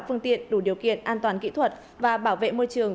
phương tiện đủ điều kiện an toàn kỹ thuật và bảo vệ môi trường